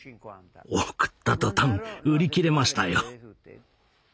送った途端売り切れましたよ。